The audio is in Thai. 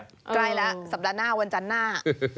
ใกล้แล้วสัปดาห์หน้าวันจันทร์หน้า